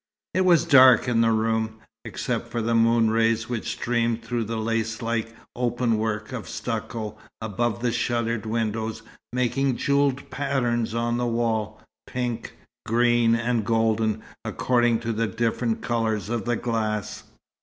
It was dark in the room, except for the moon rays which streamed through the lacelike open work of stucco, above the shuttered windows, making jewelled patterns on the wall pink, green, and golden, according to the different colours of the glass.